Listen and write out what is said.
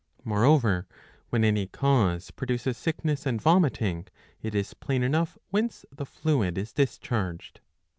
Moreover, when any cause produces sickness and vomiting, it is plain enough whence the fluid is discharged.